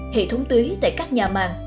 hệ thống tưới tại các nhà màng